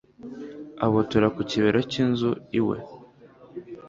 abutura ku kibero cyinzu iwe